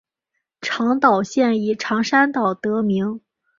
长岛县以长山岛得名。